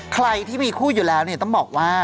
ใครที่มีคู่อยู่แล้วเนี่ยต้องบอกว่า